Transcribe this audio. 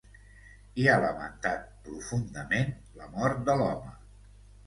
I ha lamentat ‘profundament’ la mort de l’home.